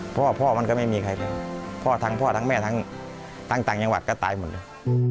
พ่อพ่อมันก็ไม่มีใครเป็นพ่อทั้งพ่อทั้งแม่ทั้งต่างจังหวัดก็ตายหมดเลย